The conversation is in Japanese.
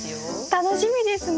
楽しみですね！